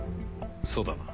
そうだな？